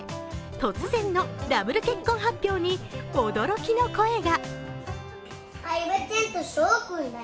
突然のダブル結婚発表に驚きの声が。